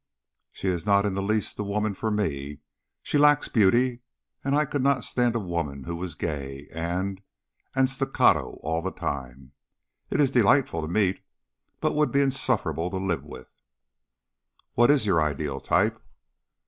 "She is not in the least the woman for me. She lacks beauty, and I could not stand a woman who was gay and and staccato all the time. It is delightful to meet, but would be insufferable to live with." "What is your ideal type?"